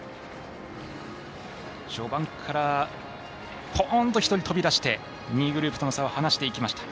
序盤から、ポーンと１人飛び出して２位グループとの差を離していきました。